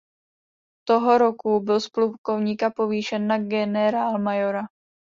Toho roku byl z plukovníka povýšen na generálmajora.